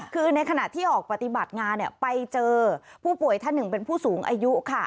คือในขณะที่ออกปฏิบัติงานไปเจอผู้ป่วยท่านหนึ่งเป็นผู้สูงอายุค่ะ